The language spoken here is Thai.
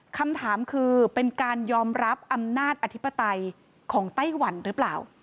คำถามคือเป็นการยอมรับอำนาจอธิปไตยของไต้หวันหรือเปล่า